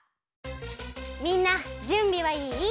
みんなじゅんびはいい？